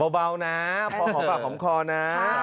เบาพอหอมาครอบครอบค์นะ